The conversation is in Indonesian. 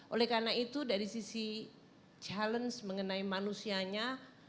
oleh karena itu dari sisi challenge mengenai manusianya